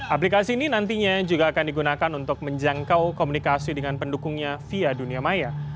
aplikasi ini nantinya juga akan digunakan untuk menjangkau komunikasi dengan pendukungnya via dunia maya